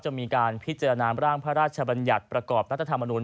จะมีการพิจารณาร่างพระราชบัญญัติประกอบรัฐธรรมนุน